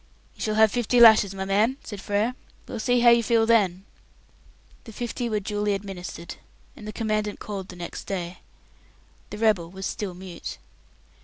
"You shall have fifty lashes, my man," said Frere. "We'll see how you feel then!" The fifty were duly administered, and the Commandant called the next day. The rebel was still mute.